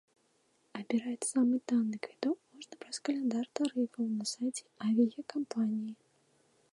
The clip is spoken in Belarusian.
Абіраць самы танны квіток можна праз каляндар тарыфаў на сайце авіякампаніі.